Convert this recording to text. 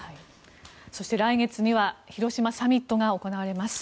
そして来月には広島サミットが行われます。